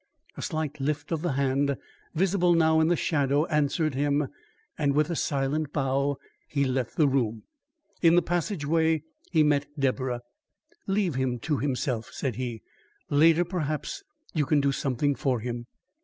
A slight lift of the hand, visible now in the shadow, answered him; and with a silent bow he left the room. In the passageway he met Deborah. "Leave him to himself," said he. "Later, perhaps, you can do something for him."